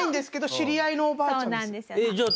知り合いのおばあちゃんです。